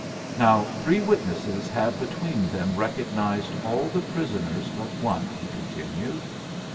"Now three witnesses have between them recognized all the prisoners but one," he continued.